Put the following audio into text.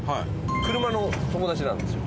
車の友達なんですよ。